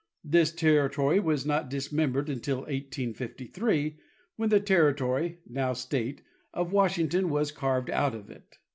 This territory was not dismembered until 1853, when the terri tory (now state) of Washington was carved out of it.